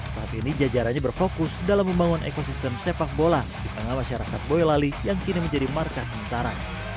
saat ini jajarannya berfokus dalam membangun ekosistem sepak bola di tengah masyarakat boyolali yang kini menjadi markas sementara